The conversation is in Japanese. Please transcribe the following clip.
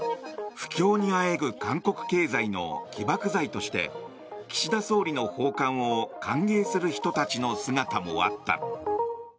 不況にあえぐ韓国経済の起爆剤として岸田総理の訪韓を歓迎する人たちの姿もあった。